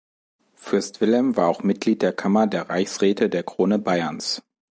Fürst Wilhelm war auch Mitglied der Kammer der Reichsräte der Krone Bayerns.